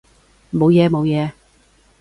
冇嘢冇嘢